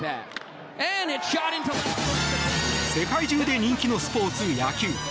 世界中で人気のスポーツ、野球。